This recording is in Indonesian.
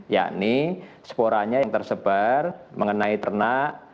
yakni sporanya yang tersebar mengenai ternak